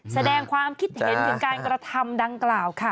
แสดงความคิดเห็นถึงการกระทำดังกล่าวค่ะ